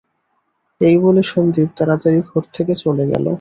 এই বলে সন্দীপ তাড়াতাড়ি ঘর থেকে চলে গেল।